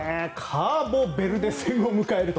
カーボベルデ戦を迎えると。